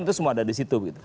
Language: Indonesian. itu semua ada di situ